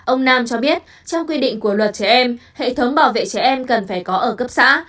ông nam cho biết trong quy định của luật trẻ em hệ thống bảo vệ trẻ em cần phải có ở cấp xã